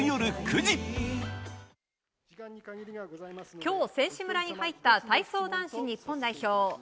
今日、選手村に入った体操男子日本代表。